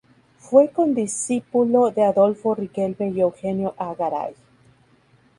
Fue condiscípulo de Adolfo Riquelme y Eugenio A. Garay.